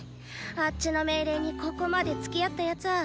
あッチの命令にここまでつきあったやつぁ